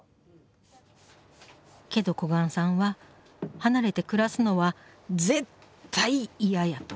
けど小雁さんは離れて暮らすのは絶対イヤやと。